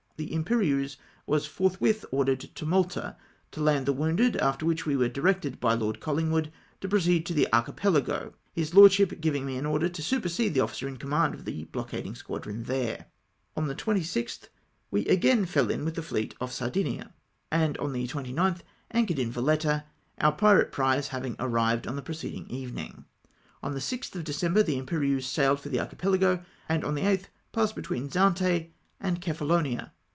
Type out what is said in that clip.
The Imperieuse was forthwith ordered to Malta, to land the wounded, after which we were directed by Lord Colhngwood to proceed to the Archipelago, his LordshijD giving me an order to supersede the officer in command of the blockading squadron there. On the 26tli we again fell in with the fleet off Sardinia, FALL IN WITH THIRTEEN MERCHANTMEN. 237 and on the 29tli ancliored in Valetta, our pirate prize having arrived on the preceding evening. On the 6th of December, the Imperieuse sailed for the Archipelago, and on the 8th passed between Zante and Cephalonia.